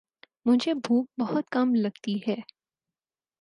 مجھے بھوک بہت کم لگتی ہے